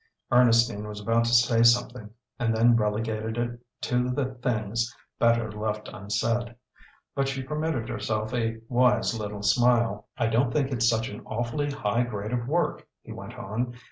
Ernestine was about to say something, and then relegated it to the things better left unsaid; but she permitted herself a wise little smile. "I don't think it's such an awfully high grade of work," he went on.